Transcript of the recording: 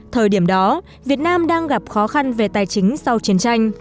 thời điểm đó việt nam đang gặp khó khăn về tài chính sau chiến tranh